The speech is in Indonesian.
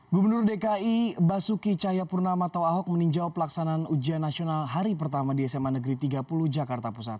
gubernur dki basuki cahayapurnama atau ahok meninjau pelaksanaan ujian nasional hari pertama di sma negeri tiga puluh jakarta pusat